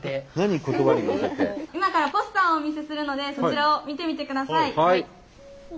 今からポスターをお見せするのでそちらを見てみてください。